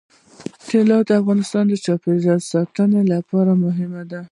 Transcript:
طلا د افغانستان د چاپیریال ساتنې لپاره مهم دي.